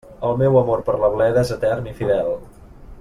El meu amor per la bleda és etern i fidel.